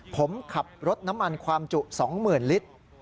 ผมขับรถน้ำมันความจุ๒๐๐๐ลิตร